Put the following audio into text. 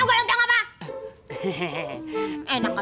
enak ga ya enak ga